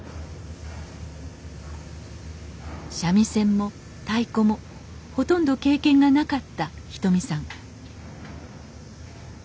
三味線も太鼓もほとんど経験がなかったひとみさん